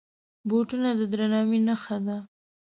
بوټونه د درناوي نښه ده.